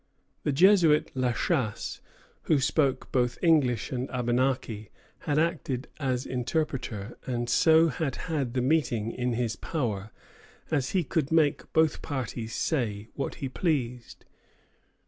The Jesuit La Chasse, who spoke both English and Abenaki, had acted as interpreter, and so had had the meeting in his power, as he could make both parties say what he pleased.